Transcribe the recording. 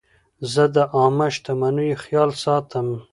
زه د عامه شتمنیو خیال ساتم.